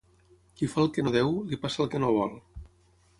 Qui fa el que no deu, li passa el que no vol.